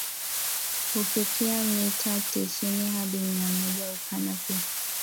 hufikia mita tisini Hadi miamoja Upana pia